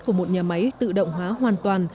của một nhà máy tự động hóa hoàn toàn